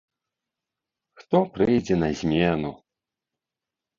Хто прыйдзе на змену?